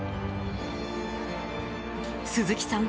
鈴木さん